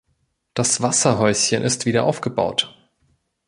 Das Wasserhäuschen ist wieder aufgebaut.